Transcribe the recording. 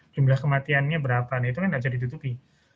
jumlah kematiannya berapa itu kan ada di tutupi